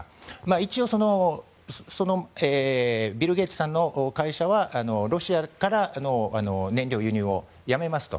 一応、ビル・ゲイツさんの会社はロシアからの燃料輸入をやめますと。